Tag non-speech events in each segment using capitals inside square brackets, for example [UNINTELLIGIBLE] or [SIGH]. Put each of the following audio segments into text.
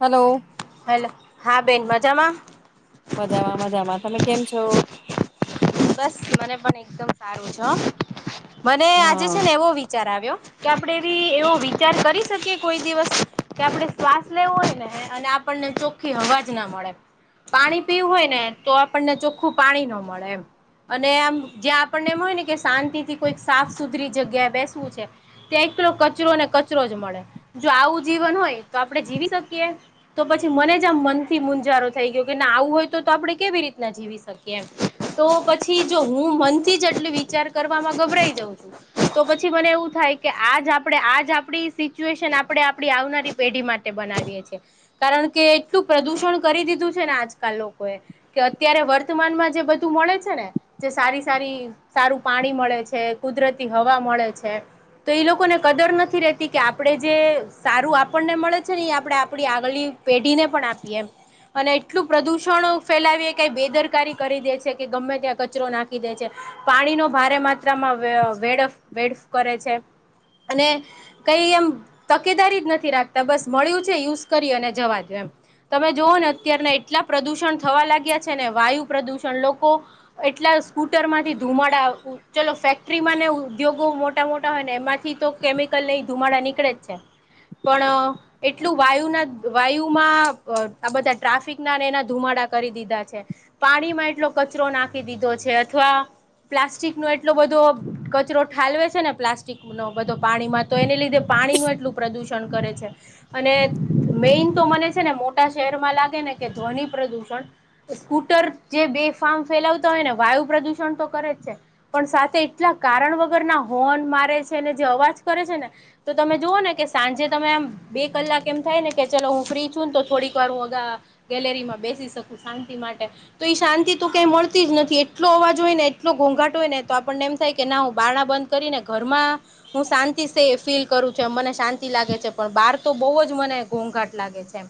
Hello hello હા બેન મજામાં. મજામાં મજામાં તમે કેમ છો? બસ મને પણ એકદમ સારું છે હા મને આજે છે હા ને એવો વિચાર આવ્યો. કે આપણેે બી એવો વિચાર કરી શકીએ કોઈ દિવસ કે આપડે શ્વાસ લેવો હોય ને અને આપણને ચો ખી હવાજ ના મળે પાણી પીવું હોય ને તો આપણને ચોખ્ખું પાણી ના મળે એમ. અને આમ જ્યાં આપણને એમ હોય ને કે શાંતિ થી કોઈ સાફ સુધરી જગ્યા બેસવું છે. ત્યાં એકલો કચરો ને કચરો જ મળે જો આવું જીવન હોય તો આપણે જીવી શકીએ તો પછી મને જ આમ મનથી મુંજારો થઈ ગયો કે આવું હોય તો આપણે કેવી રીતના જીવી જીવી શકીએ એમ તો પછી જો હું મનથી જ એટલી વિચાર કરવામાં ગભરાઈ જાઉં છું તો પછી મને એવું થાય કે આજ આપણે આજ આપણી સિચ્યુએશન આપણે આપણી આવનારી પેઢી માટે બનાવીએ છીએ કારણ કે એટલું પ્રદુષણ કરી દીધું છે ને આજકાલ લોકોએ કે અત્યારે વર્તમાનમાં જે બધું મળે છે ને જે સારી સારી સારું પાણી મળે છે કુદરતી હવા મળે છે તો એ લોકોને કદર નથી રેતી કે આપણેે જે સારું આપણને મળે છે ને આપણે આપણી આગળ પેઢીને પણ આપીએ એમ અને એટલું પ્રદુષણ ફેલાવી કંઈ બેદરકારી કરી દે છે કે ગમે ત્યાં કચરો નાખી દે છે પાણીનો ભારે માત્રામાં વેડ વેડ કરે છે. અને કઈ એમ તકેદારી જ નથી રાખતા બસ મળ્યું છે યુઝ કરી અને જવા દો એમ. તમે જોુઓ ને અત્યારને એટલા પ્રદુષણ થવા લાગ્યા છે ને વાયુ પ્રદુષણ લોકો એટલા સ્કૂટરમાંથી ધુમાડા ચલો ફેક્ટરીમાં ને ઉદ્યોગો મોટા મોટા હોય ને એમાંથી તો કેમિકલ ને ધુમાડા નીકળે જ છે પણ એટલું વાયુના વાયુમાં આ બધા ટ્રાફિકના ને એના ધુમાડા કરી દીધા છે પાણીમાં એટલો કચરો નાખી દીધો છે અથવા પ્લાસ્ટિક નો એટલો બધો કચરો ઠાલવે છે ને પ્લાસ્ટિક નો બધો પાણીમાં તો એને લીધે પાણીનું એટલું પ્રદુષણ કરે છે અને મૈન તો મને છે ને મોટા શહેરમાં લાગે ને કે ધ્વનિ પ્રદુષણ સ્કૂટર જે બે ફાર્મ ફેલાવતા હોય ને વાયુ પ્રદૂષણ તો કરે જ છે પણ સાથે એટલા કારણ વગર ના હોર્ન મારે છે ને જે અવાજ કરે છે ને તો તમે જુઓ ને કે સાંજે તમે આમ બે કલાક થાય ને કે ચલો હું ફ્રી ને તો થોડીક વાર હું ગેલેરીમાં બેસી શકું શાંતિ માટે તો એ શાંતિ તો કઈ મળતી જ નથી એટલો અવાજ હોય ને એટલો ઘોંઘાટ હોય ને તો આપણને એમ થાય કે ના હું બારણા બંધ કરીને ઘરમાં હું શાંતિ ફીલ કરું છુ મને શાંતિ લાગે છે, પણ બહાર તો બહુ જ મને ઘોંઘાટ લાગે છે.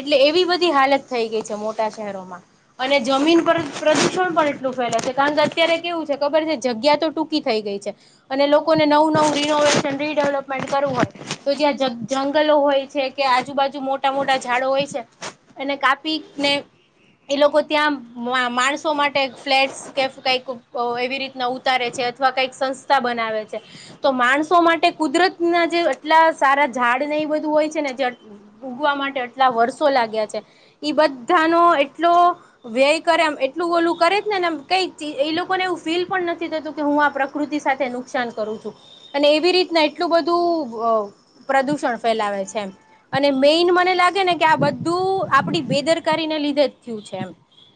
એટલે એવી બધી હાલત થઈ ગઈ છે મોટા શહેરોમાં અને જમીન પર પ્રદૂષણ પણ એટલું ફેલાય છે કારણ કે અત્યારે કેવું છે ખબર છે જગ્યા તો ટૂંકી થઈ ગઈ છે. અને લોકોને નવું નવું રિનોવેશન રીડેવલપમેન્ટ કરવું હોય તો જ્યાં જંગલો હોય છે. કે આજુબાજુ મોટા મોટા ઝાડો હોય છે એને કાપી ને એ લોકો ત્યાં માણસો માટે ફ્લેટ કંઈક એવી રીતના ઉતારે છે અથવા કંઈક સંસ્થા બનાવે છે. તો માણસો માટે કુદરત ના જે આટલા સારા ઝાડ ને એ બધું હોય છે ને જે ઉગવા માટે આટલા વર્ષો લાગ્યા છે, ઈ બધાનો એટલો વ્યય કરે એમ એટલું ઓલું કરે જ ને એમ કંઈ એ લોકોને એવું ફીલ પણ નથી થતું કે હું આ પ્રકૃતિ સાથે નુકસાન કરું છું અને એવી રીતના એટલું બધું પ્રદુષણ ફેલાવે છે એમ. અને મૈન મને લાગે ને કે આ બધું આપડી બેદરકારીને લીધે જ થયું છે એમ.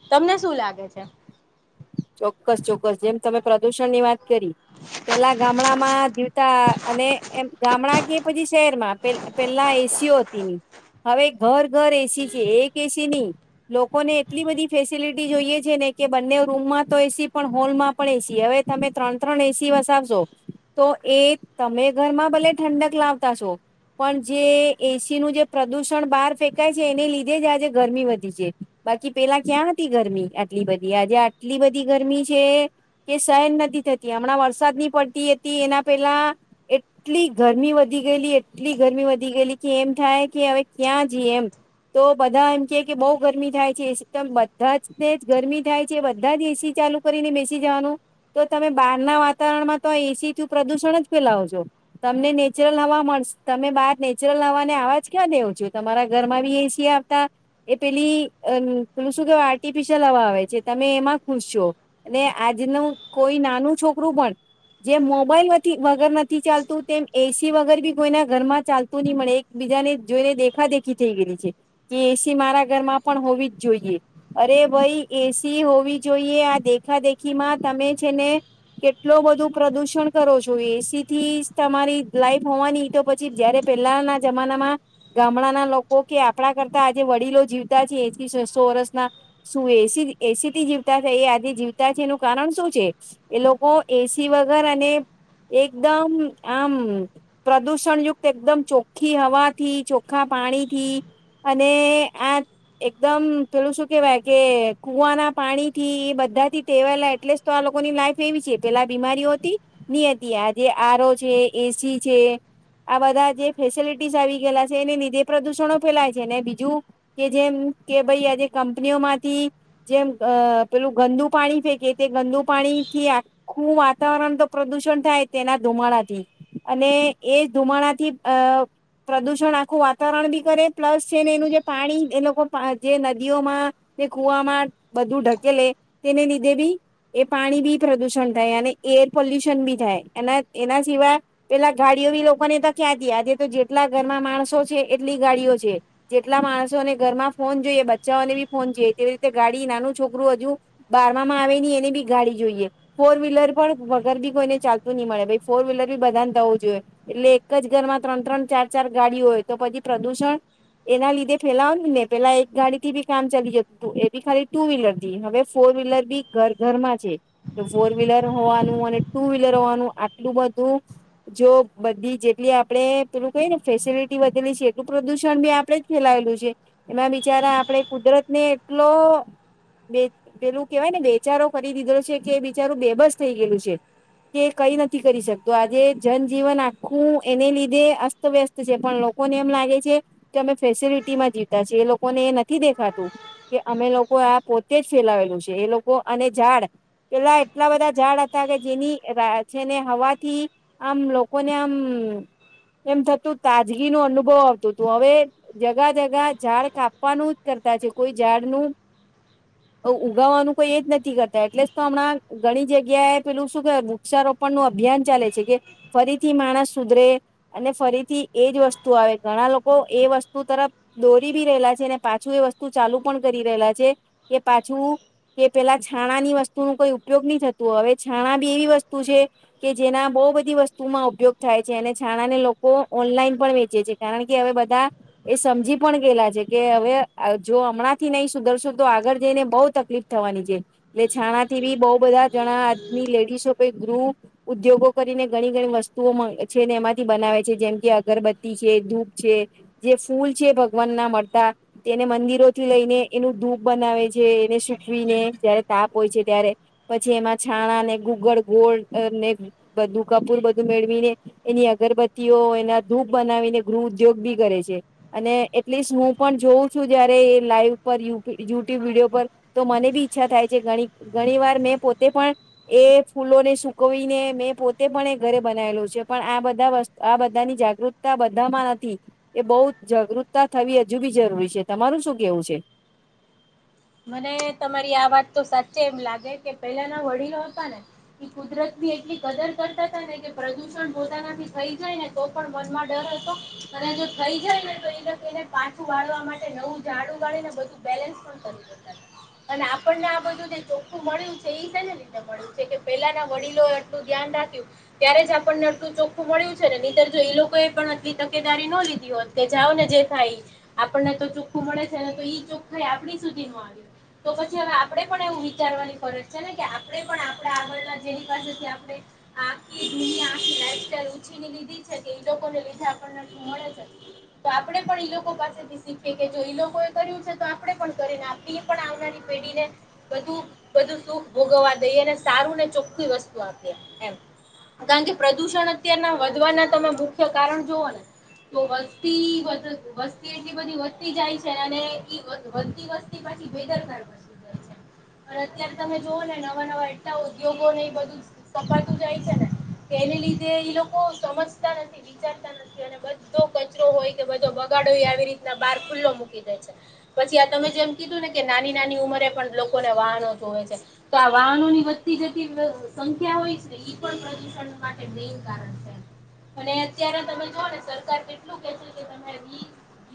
તમને શું લાગે છે? ચોક્કસ ચોક્કસ જેમ તમે પ્રદુષણ ની વાત કરી. પેલા ગામડા માં જીવતા અને એમ ગામડા કે પછી શહેરમાં પેલા એસીઓ હતી ની, હવે ઘર ઘર એસી છે. એક એસી નહી લોકોને એટલી બધી ફેસિલિટી જોઈએ છે ને કે બંને રૂમમાં તો એસી પણ હોલમાં પણ એસી હવે તમે ત્રણ ત્રણ એસી વસાવશો. તો એ તમે ઘરમાં ભલે ઠંડક લાવતા છો. પણ જે એસી નું જે પ્રદુષણ બહાર ફેંકાય છે એને લીધે જ આજે ગરમી વધી છે. બાકી પેલા ક્યાં હતી ગરમી આટલી બધી આજે આટલી બધી ગરમી છે. કે શહન નથી થતી. હમણાં વરસાદ ની પડતી હતી એના પેલા એટલી ગરમી વધી ગયેલી એટલી ગરમી વધી ગયેલી કે એમ થાય કે હવે ક્યાં જઈ એમ. તો બધા એમ કે કે બઉ ગરમી થાય છે, એ સસ્ટમ બધા જ ને જ ગરમી થાય છે. બધા જ એસી ચાલુ કરીને બેસી જવાનું. તો તમે બહાર ના વાતાવરણમાં તો એસીથી પ્રદુષણ જ ફેલાવો છો. તમને નેચરલ હવા મળશે તમે બહાર નેચરલ હવાને અવાજ ક્યા ડો છો? તમારા ઘરમાં બી એસી આવતા એ પેલી અહ શું કેવાય આર્ટિફિશયલ હવા આવે છે. તમે એમાં ખુશ છો અને આજનું કોઈ નાનું છોકરું પણ જેમ મોબાઈલ વગર નથી ચાલતું તેમ એસી વગર બી કોઈના ઘર માં ચાલતું ની મળે. એક બીજા ને જોઈને દેખા દેખી થઈ ગયેલી છે. કે એસી મારા ઘરમાં પણ હોવી જ જોઈએ, અરે ભાઈ એસી હોવી જોઈએ આ દેખા દેખી માં તમે છે ને કેટલો બધો પ્રદુષણ કરો છો એસી થી તમારી લાઈફ હોવાની તો પછી ત્યારે પેલાના જમાનામાં ગામડાના લોકો કે આપણા કરતા આજે વડીલો જીવતા છે એથી સો-સો વર્ષના શું એસી એસી થી જીવતા છે એ આજે જીવતા છે એનું કારણ શું છે? એ લોકો એસી વગર અને એકદમ આમ પ્રદુષણ યુક્ત એકદમ ચોખ્ખી હવા થી, ચોખ્ખા પાણી થી અને આ એકદમ પેલું શું કેવાય કે કુવાના પાણી થી એ બધા થી ટેવાયેલા એટલે જ તો આ લોકોની લાઈફ એવી છે. પેલા બીમારીઓ હતી? ની હતી. આજે આરો છે, એસી છે. આ બધા જે ફેસિલિટીસ આવી ગયેલા છે એને લીધે પ્રદૂષણો ફેલાય છે, ને બીજું કે જેમ કે ભાઈ આજે કંપનીઓમાંથી જેમ અહ પેલું ગંદુ પાણી ફેંકે તે ગંદુ પાણી થી આખું વાતાવરણ તો પ્રદુષણ થાય તેના ધુમાડાથી. અને એ ધુમાડાથી અહ પ્રદુષણ આખું વાતાવરણ બી કરે પ્લસ છે ને એનું જે પાણી એ લોકો જે નદીઓમાં તે કુવામાં બધું ઢકેલે તેને લીધે બી એ પાણી બી પ્રદુષણ થાય અને એર પોલ્યુશન બી થાય એના એના સિવાય પેલા ગાડીઓ બી લોકોને તો ખ્યાંથી આજે તો જેટલા ઘરમાં માણસો છે એટલી ગાડીઓ છે. જેટલા માણસોને ઘરમાં ફોન જોઈએ બચ્ચાઓને બી ફોન જોઈએ તેવી રીતે ગાડી નાનું છોકરું હજુ બારમા માં આવે નઈ એને બી ગાડી જોઈએ. ફોર વ્હીલર પણ વગર બી કોઈને ચાલતું નિ મળે ભય ફોર વ્હીલર બી બધાને ત્યા હોવુ જોઈએ. એટલે એક જ ઘરમાં ત્રણ-ત્રણ ચાર ચાર ગાડીઓ હોય તો પછી પ્રદુષણ એના લીધે ફેલાવની ને પેલા એક ગાડી થી બી કામ ચાલી જતું હતું એ ખાલી ટુ વ્હીલર થી હવે ફોર વ્હીલર બી ઘર ઘરમાં છે. ફોર વ્હીલર હોવાનું અને ટુ વ્હીલર હોવાનું આટલું બધું જો બધી જેટલી આપણે પેલું કઈ ને ફેસિલીટી વધેલી છે એટલું પ્રદુષણ બી આપડે ફેલાયેલું છે એમાં બિચારા આપડે કુદરત ને એટલો બે પેલું કેવાય ને બેચારો કરી દીધેલો છે કે બ બેચારું બેબસ થઇ ગયેલું છે. કે કઈ નથી કરી શકતો આજે જનજીવન આખું એને લીધે અસ્તવ્યસ્ત છે પણ લોકોને એમ લાગે છે કે અમે ફેસિલિટી માં જીવતા છીએ એ લોકોને એ નથી દેખાતું કે અમે લોકો આ પોતે જ ફેલાવેલું છે એ લોકો અને ઝાડ પેલા એટલા બધા ઝાડ હતા કે જેની છે ને હવાથી આમ લોકોને આમ એમ થતું તાજગી નું અનુભવ આવતુ તું અવે જગા જગા ઝાડ કાપવાનું જ કરતા છે કોઈ ઝાડનું [INAUDIBLE] ઉગાવાનું કોઈ એજ નથી કરતા એટલે જ તો હમણાં ઘણી જગ્યાએ પેલું શું કેવાય વૃક્ષારોપણ નું અભિયાન ચાલે છે કે ફરીથી માણસ સુધરે અને ફરીથી એજ વસ્તુ આવે ઘણા લોકો એ વસ્તુ તરફ દોરી બી રહેલા છે ને પાછું એ વસ્તુ ચાલુ પણ કરી રહેલા છે કે પાછું કે પેલા છાણા ની વસ્તુ નો કોઈ ઉપયોગ નહી થતુ હવે છાણા બી એવી વસ્તુ છે કે જેના બહુ બધી વસ્તુમાં ઉપયોગ થાય છે અને છાણા ને લોકો ઓનલાઈન પણ વેચે છે. કારણ કે અવે બધા એ સમજી પણ ગયેલા છે કે હવે જો હમણાંથી નહી સુધરશુ તો આગળ જઈને બઉ તકલીફ થવાની છે એટલે છાણાથી બિ બઉ બધા જણા આદમી લેડિસો કે ગ્રુપ ઉદ્યોગો કરીને ઘણી ઘણી વસ્તુઓ મા છે ને એમાંથી બનાવે છે જેમ કે અગરબત્તી છે ધૂપ છે જે ફૂલ છે ભગવાન ના મળતા તેને મંદિર ઓથી લઈને એનું ધૂપ બનાવે છે એને સુકવીને જયારે તાપ હોય છે ત્યારે પછી એમાં છાણા ને ગુગળ ગોળ અને બધું કપૂર બધું મેળવીને એની અગરબત્તીઓ એના ધૂપ બનાવીને ગૃહ ઉદ્યોગ બી કરે છે. અને એટલીસ્ટ હું પણ જોઉં છું જયારે એ લાઈવ પર યુટ્યુબ વિડીયો પર તો મને બી ઈચ્છા થાય છે ઘણી ઘણી વાર મેં પોતે પણ એ ફૂલોને સુકવીને મેં પોતે પણ એ ઘરે બનાવેલું છે પણ આ બધા વસ આ બધાની જાગૃત તા બધામાં નથી એ બહુ જાગૃતતા થવી હજુ બી જરૂરી છે તમારું શું કેવું છે? મને તમારી આ વાત તો સાચે એમ લાગે કે પેલાના વડીલો હતા ને ઈ કુદરતની એટલી કદર કરતા હતા ને કે પ્રદુષણ પોતાનાથી થય જાય ને તો પણ મનમાં ડર હતો અને જો થઈ જાય ને તો [INAUDIBLE] પાછું વાળવા માટે નવું ઝાડું ગાડી ને બધું બેલેન્સ પણ કરી ડેટા છે અને આપણને આ બધું જે ચોખ્ખું મળ્યું છે ઇ સેને લિધે મળ્યું છે કે પેલાના વડીલોઓ એટલું ધ્યાન રાખ્યું ત્યારે જ આપર્ને આટલુ ચોખ્ખું મળ્યું છે ને નીતર જો એ લોકોએ પણ આટલી તકેદારી ન લીધી હોત તે જાઓ ને જે થાય ઈ આપણને તો ચોખ્ખું મળે છે ને તો ઈ ચોખ્ખાાઈ આપણી સુધી ન આવી તો પછી હવે આપણે પણ એવું વિચારવાની ફરજ છે ને કે આપણે પણ આપણા આગળના જેની પાસેથી આપણે આખી દુનિયા આખી લાઈફ સ્ટાઇલ ઉછી ની લીધી છે કે એ લોકોને લીધે આપણને આટલુ મળે છે તો આપડે પણ ઈ લોકો પાસેથી શીખીએ કે જો ઈ લોકો એ કર્યું છે તો આપડે પણ કરીને આપીયે પણ આવનારી પેઢીને બધું બધું સુખ ભોગવવા દઈએ અને સારું ને ચોખ્ખી વસ્તુ આપે આપીયે એમ કારણ કે પ્રદુષણ અત્યારના વધવાના તમે મુખ્ય કારણ જુઓ ને તો વસ્તી વધ વસ્તી એટલી બધી વધતી જાય છે અને ઈ વધ વધ ઇ વસ્તી પાછી બેદરકાર પસી જાય છે અને અત્યારે તમે જુઓ ને નવા નવા એટલા ઉદ્યોગો ને એ બધું કપાટુ જાય છે ને તેને લીધે ઈ લોકો સમજતા નથી વિચારતા નથી અને બધ્ધો કચરો હોય કે બધો બગાડો આવી રીતના બહાર ખુલ્લો મૂકી દે છે પછી આ તમે જેમ કીધું ને કે નાની નાની ઉંમરે પણ લોકોને વાહનો જુએ છે તો આ વાહનો ની વધતી જતી પ્રા સંખ્યા હોય છે ઈ પણ પ્રદુષણ માટે મેઈન કારણ છે અને અત્યારે તમે જાઓ ને સરકાર કેટલું કે છે કે તમે ઇ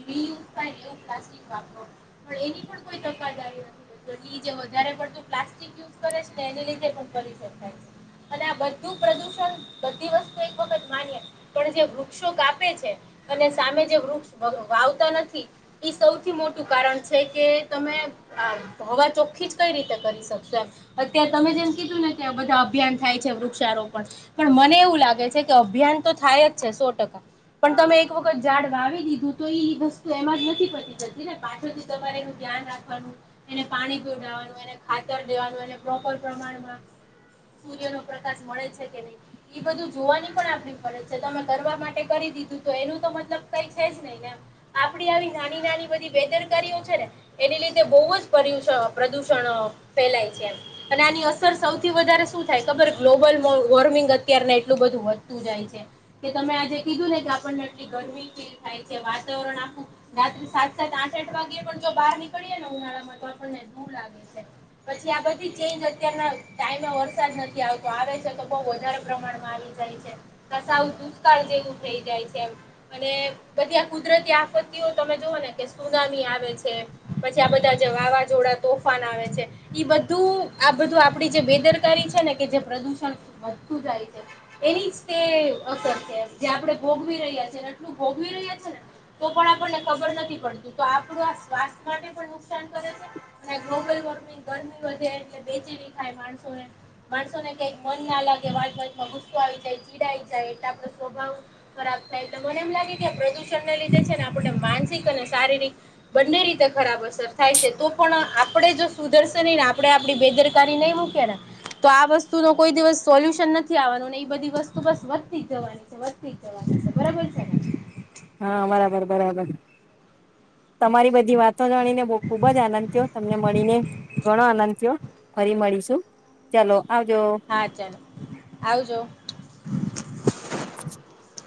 રિ યુઝ થાય એવું પ્લાસ્ટિક વાપરો પણ એની પણ કોઈ તકાદારી નથી તો ઇ જે વધારે પડતું પ્લાસ્ટિક યુઝ કરે છે ને એને લીધે પણ કરી શકાય છે અને આ બધું પ્રદુષણ બધી વસ્તુ એક વખત માનીએ પણ જે વૃક્ષો કાપે છે અને સામે જે વૃક્ષ વાવતા નથી ઇ સૌથી મોટું કારણ છ છે કે તમે આ હવા ચોખ્ખી જ કઈ રીતે કરી શકશો એમ અત્યારે તમે જેમ કીધું ને કે આ બધા અભિયાન થાય છે વૃક્ષારોપણ પણ મને એવું લાગે છે કે અભિયાન તો થાય જ છે સો ટકા પણ તમે એક વખત ઝાડ વાવી દીધું તો ઇ વસ્તુ એમ જ નથી પતી જતી ને પાછળ થી તમારે એનુ ધ્યાન રાખવાનું એને પાણી પીવડાવાનું એને ખાતર દેવાનું એને પ્રોપર પ્રમાણમાં સૂર્ય નો પ્રકાશ મળે છે કે નહી. એ બધું જોવાની પણ આપણી ફરજ છે તમે કરવા માટે કરી દીધું તો એનું તો મતલબ કઈ છે જ નહી ને એમ. આપડી આવી નાની નાની બધી બેદર કર્યું છે ને એની લીધે બોવ જ પ્રદુષણ ફેલાય છે એમ. અને આની અસર સૌથી વધારે શું થાય ખબર ગ્લોબલ વો વોર્મિંગ અત્યાર ના એટલું બધું હોત. તું જાય છે કે તમે આજે કીધું ને કે આપણને આટલી ગરમી લ થાય છે વાતાવરણ આખું રાત્રે સાત સાત આઠ ઠ વાગ્યે પણ જો બહાર નીકળીએ ને ઉનાળા માં તો આપણને લુ લાગે છે. પછી આ બધી ચેન્જ અત્યારના ટાઈમે વરસાદ નથી આવતો આવે છે તો બઉ વધારે પ્રમાણ આવી જાય છે સાવ દુષ્કાળ જેવું થઇ જાય છે એમ. અને બધી આ કુદરતી આફત્તિઓ તમે જુઓ ને કે સુનામી આવે છે પછી આ બધા જે વાવાઝોડા તોફાન આવે છે. એ બધુંઉ આ બધું આપડી જે બેદરકારી છે ને કે જે પ્રદુષણ વધતું જાય છે. એની જ તે અસર છે જે આપણે ભોગવી રહ્યા છીએ ને એટલું ભોગવી રહ્યા છે ને તો પણ આપણને ખબર નથી પડતું તો આપડું આ સ્વાસ્થ્ય માટે પણ નુકસાન કરે છે. અને ગ્લોબલ વોર્મિંગ ગરમી વધે એટલે બેચેલી થાય માણસોને. માણસોને કઈક મન ના લાગે વાત વાતમાં ગુસ્સો આવી જાય ચીડાય જાય એટલે આપડો સ્વભાવ ખરાબ થાય તો મને એમ લાગે કે પ્રદૂષણને લીધે છે ને આપને માનસિક અને શારીરિક બંને રીતે ખરાબ અસર થાય છે તો પણ આપડે જો સુધર્શે નહી ને આપણેે આપડી બેદર કારી નઈ મૂકીએ ને [INAUDIBLE] તો આ વસ્તુ નો કોઈ દિવસ સોલ્યુશન નથી આવાનું ને એઈ બધી વસ્તુ બસ વધતી જ જવાની છે વધતી જ જવાની છે બરાબર છે ને. [INAUDIBLE] [UNINTELLIGIBLE] હા બરાબર બરાબર તમારી બધી વાત તો જાણીને બો ખુબ જ આનંદ થયો તમને મળીને ઘણો આનંદ થયો. ફરી મળીશું ચાલો આવજો. હા ચાલો આવજો. [INAUDIBLE]